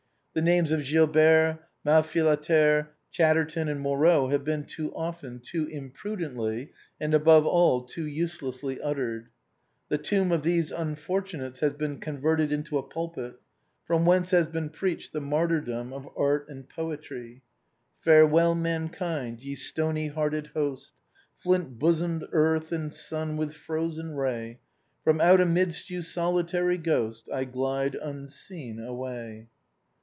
The names of Gilbert, Malfilâtre, Chatterton, and Moreau have been too often, too imprudently, and, above all, too uselessly uttered. The tomb of these unfor tunates has been converted into a pulpit, from whence has been preached the martyrdom of art and poetry. " Farewell mankind, ye stony hearted host, Flint bosomed earth and sun with frozen ray, From out amidst you, solitary ghost I glide unseen away."